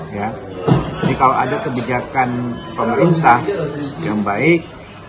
jadi kalau ada kebijakan pemerintah yang baik